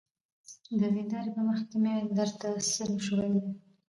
د ويندارې په مخکې مې درته څه نشوى ويلى.